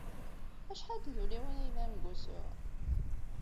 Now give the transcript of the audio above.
Acḥal n tduliwin ay yellan deg wusu?